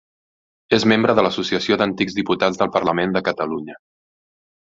És membre de l'Associació d'Antics Diputats del Parlament de Catalunya.